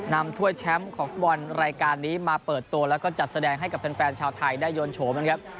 ถ้วยแชมป์ของฟุตบอลรายการนี้มาเปิดตัวแล้วก็จัดแสดงให้กับแฟนชาวไทยได้โยนโฉมนะครับ